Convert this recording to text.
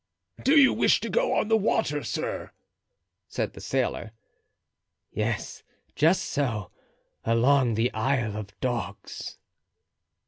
"Do you wish to go on the water, sir?" said the sailor. "Yes, just so. Along the Isle of Dogs."